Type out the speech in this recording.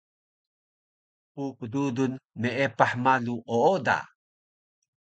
ppdudul meepah malu ooda